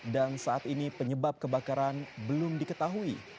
dan saat ini penyebab kebakaran belum diketahui